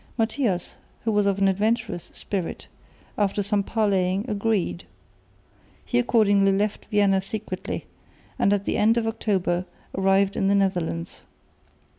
Matthias, who was of an adventurous spirit, after some parleying agreed. He accordingly left Vienna secretly, and at the end of October arrived in the Netherlands.